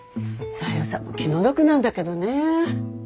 小夜さんも気の毒なんだけどね。